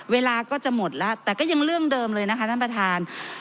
เวลาก็จะหมดแล้วแต่ก็ยังเรื่องเดิมเลยนะคะท่านประธาน